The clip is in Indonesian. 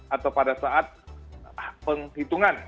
atau pada saat penghitungan